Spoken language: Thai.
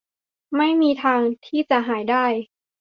ไม่มีทางที่จะหายได้